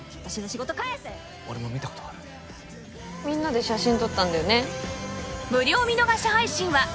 みんなで写真撮ったんだよね。